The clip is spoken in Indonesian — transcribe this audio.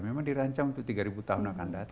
memang dirancang untuk tiga tahun yang akan datang